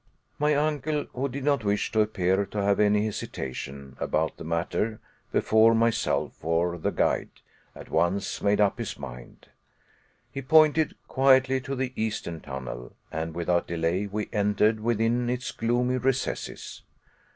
My uncle, who did not wish to appear to have any hesitation about the matter before myself or the guide, at once made up his mind. He pointed quietly to the eastern tunnel; and, without delay, we entered within its gloomy recesses.